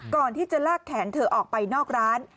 ก่อนที่จะลากแขนเธอออกไปนอกร้าน